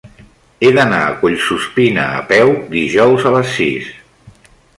He d'anar a Collsuspina a peu dijous a les sis.